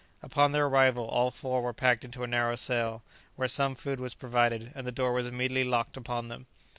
Upon their arrival all four were packed into a narrow cell, where some food was provided, and the door was immediately locked upon them.